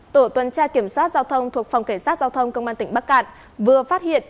tổ tuần tra kiểm soát giao thông thuộc phòng cảnh sát giao thông công an tỉnh bắc cạn vừa phát hiện